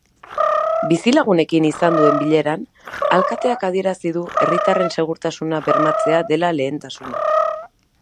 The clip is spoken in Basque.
Bizilagunekin izan duen bileran, alkateak adierazi du herritarren segurtasuna bermatzea dela lehentasuna.